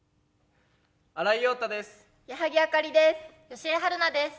新井庸太です。